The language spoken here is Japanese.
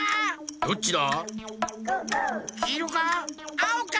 どっちだ？